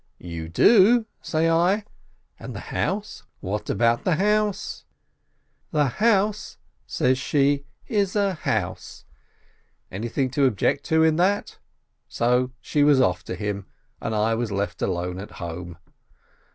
"— "You do?" say I. "And the house? What about the house?" — "The house," says she, "is a house." Anything to object to in that? So she was off to him, and I was left alone at home.